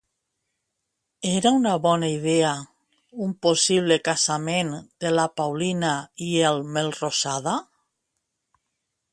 Era bona idea un possible casament de la Paulina i el Melrosada?